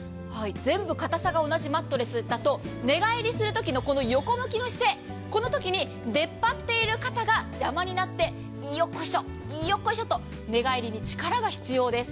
全部硬さが同じマットレスだと、横向きの姿勢のときに、出っ張っている肩が邪魔になって、よっこいしょ、よっこいしょと寝返りに力が必要です。